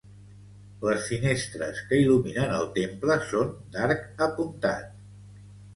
Les finestres que il·luminen el temple són d'arc apuntat.